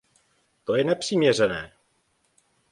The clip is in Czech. To je nepřiměřené.